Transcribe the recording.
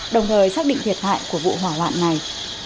đồng thời xác định thiệt hại của vụ hỏa hoạn này